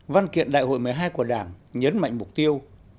văn kiện đại hội một mươi hai của đảng nhấn mạnh mục tiêu